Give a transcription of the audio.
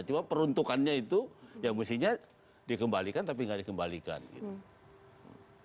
cuma peruntukannya itu ya mestinya dikembalikan tapi nggak dikembalikan gitu